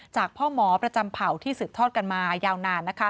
จากพ่อหมอประจำเผ่าที่สืบทอดกันมายาวนาน